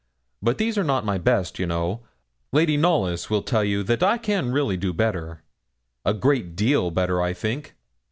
But these are not my best, you know; Lady Knollys will tell you that I can really do better a great deal better, I think.'